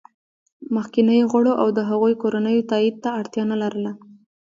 مخکینیو غړو او د هغوی کورنیو تایید ته اړتیا نه لرله